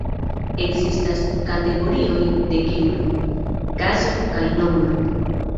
Ekzistas kategorioj de genro, kazo kaj nombro.